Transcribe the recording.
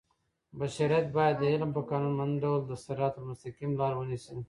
بشریت باید د علم په قانونمند ډول د صراط المستقیم لار ونیسي.